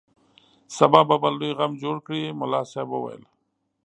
سبا به بل لوی غم جوړ کړي ملا صاحب وویل.